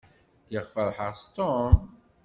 Lliɣ feṛḥeɣ s Tom.